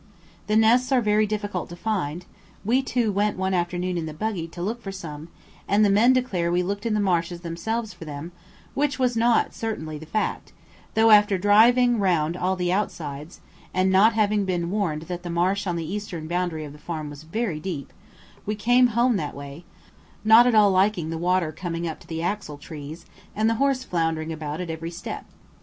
The nests are very difficult to find; we two went one afternoon in the buggy to look for some, and the men declare we looked in the marshes themselves for them, which was not certainly the fact; though after driving round all the outsides, and not having been warned that the marsh on the eastern boundary of the farm was very deep, we came home that way, not at all liking the water coming up to the axle trees and the horse floundering about at every step.